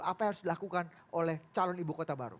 apa yang harus dilakukan oleh calon ibu kota baru